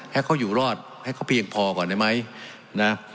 ให้เขาอยู่รอดให้เขาเพียงพอก่อนได้ไหมนะ